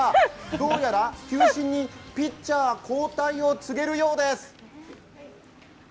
どうやら球審にピッチャー交代を告げるようです。